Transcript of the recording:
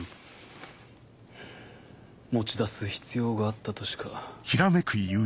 持ち出す必要があったとしか。